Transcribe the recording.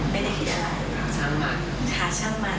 ไม่ได้คิดอะไร